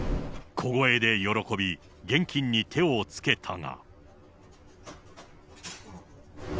小声で喜び現金に手を付けたが。